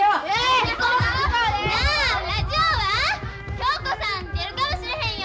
恭子さん出るかもしれへんよ！